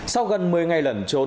sau gần một mươi ngày lẩn trốn